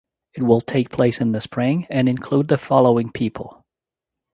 It will take place in the spring and include the following people.